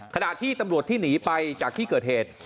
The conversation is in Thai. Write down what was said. ขณะที่ตำรวจที่หนีไปจากที่เกิดเหตุ